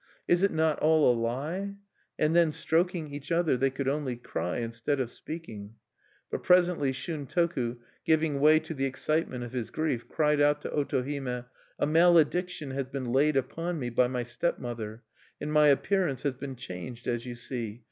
Is it not all a lie?" And then, stroking each other, they could only cry, instead of speaking. But presently Shuntoku, giving way to the excitement of his grief, cried out to Otohime: "A malediction has been laid upon me by my stepmother, and my appearance has been changed, as you see.